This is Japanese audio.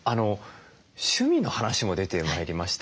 趣味の話も出てまいりました。